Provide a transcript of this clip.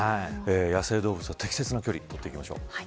野生動物と適切な距離を取っていきましょう。